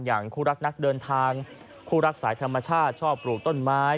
อย่างคู่รักนักเดินทางคู่รักสายธรรมชาติชอบปลูกต้นไม้